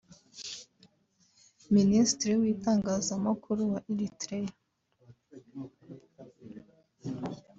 Minisitiri w’itangazamakuru wa Eritrea